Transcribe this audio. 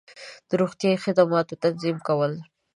د روغتیایی خدماتو تنظیم کول